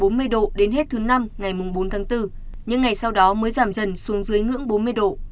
nhiệt độ đến hết thứ năm ngày mùng bốn tháng bốn những ngày sau đó mới giảm dần xuống dưới ngưỡng bốn mươi độ